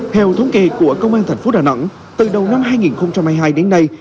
theo thống kê của công an thành phố đà nẵng từ đầu năm hai nghìn hai mươi hai đến nay